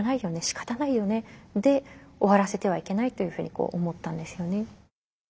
しかたないよね」で終わらせてはいけないというふうに思ったんですよね。